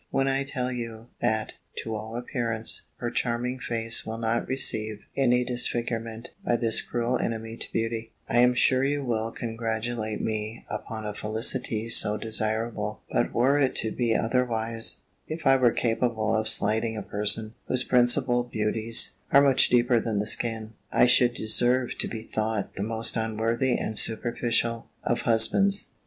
When I tell you, that, to all appearance, her charming face will not receive any disfigurement by this cruel enemy to beauty, I am sure you will congratulate me upon a felicity so desirable: but were it to be otherwise, if I were capable of slighting a person, whose principal beauties are much deeper than the skin, I should deserve to be thought the most unworthy and superficial of husbands.